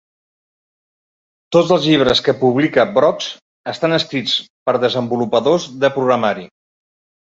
Tots els llibres que publica Wrox estan escrits per desenvolupadors de programari.